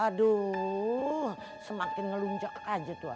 aduh semakin ngelunjak aja tuh